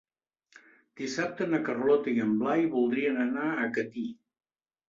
Dissabte na Carlota i en Blai voldrien anar a Catí.